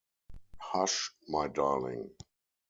Hush, my darling!